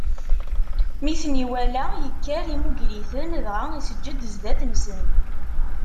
Mi ten-iwala, ikker, immuger-iten, dɣa iseǧǧed zdat-sen.